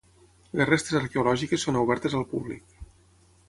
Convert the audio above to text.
Les restes arqueològiques són obertes al públic.